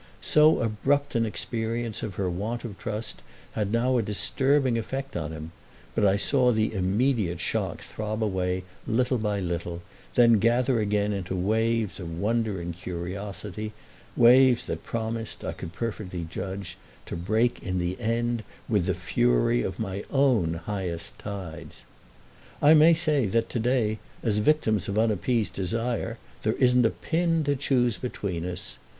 So abrupt an experience of her want of trust had now a disturbing effect on him; but I saw the immediate shock throb away little by little and then gather again into waves of wonder and curiosity—waves that promised, I could perfectly judge, to break in the end with the fury of my own highest tides. I may say that to day as victims of unappeased desire there isn't a pin to choose between us.